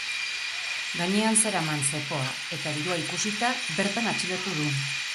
Gainean zeraman zepoa eta dirua ikusita, bertan atxilotu du.